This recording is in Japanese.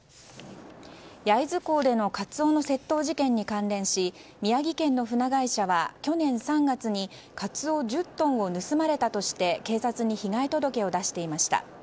焼津港でのカツオの窃盗事件に関連し宮城県の船会社は去年３月にカツオ１０トンを盗まれたとして警察に被害届を出していました。